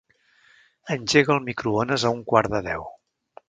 Engega el microones a un quart de deu.